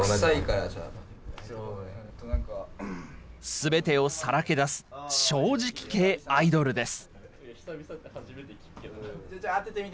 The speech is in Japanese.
すべてをさらけ出す、正直系アイドルです。